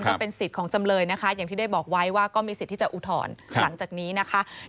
ก็เป็นสิทธิ์ของจำเลยนะคะอย่างที่ได้บอกไว้ว่าก็มีสิทธิ์ที่จะอุทธรณ์หลังจากนี้นะคะ